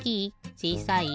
ちいさい？